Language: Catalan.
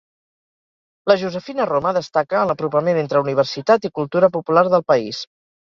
La Josefina Roma destaca en l'apropament entre universitat i cultura popular del país.